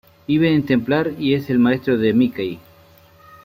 Vive en Templar y es el maestro de Mikey.